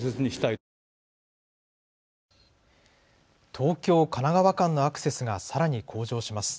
東京・神奈川間のアクセスがさらに向上します。